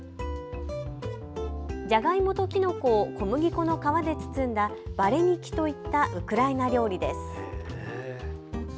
じゃがいもときのこを小麦粉の皮で包んだヴァレニキといったウクライナ料理です。